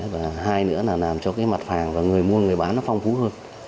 và hai nữa là làm cho cái mặt hàng và người mua người bán nó phong phú hơn